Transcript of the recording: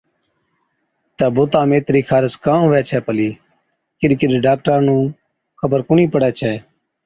تہ بُتا ۾ اِترِي خارس ڪان هُوَي ڇَي پلِي۔ ڪِڏ ڪِڏ ڊاڪٽرا نُون خبر ڪونهِي پڙَي ڇَي،